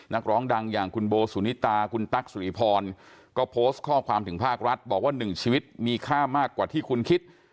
นักร้องดังอย่างคุณโบสุนิตาคุณตั๊กสุริพรก็โพสต์ข้อความถึงภาครัฐบอกว่าหนึ่งชีวิตมีค่ามากกว่าที่คุณคิด